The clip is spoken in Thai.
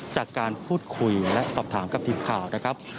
จากการพูดคุยและสอบถามกับทีมข่าวนะครับ